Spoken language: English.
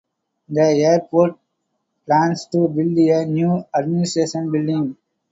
The airport plans to build a new administration building.